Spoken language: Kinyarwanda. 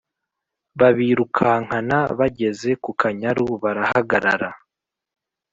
babirukankana bageze kukanyaru barahagarara